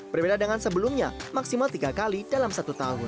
berbeda dengan sebelumnya maksimal tiga kali dalam satu tahun